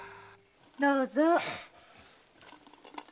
どうぞ。